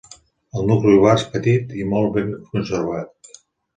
El nucli urbà és petit i molt ben conservat.